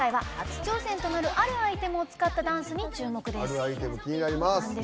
今回はあるアイテムを使ったダンスに注目です。